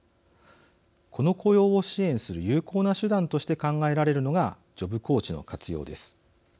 この雇用を支援する有効な手段として考えられるのがジョブコーチの活用です。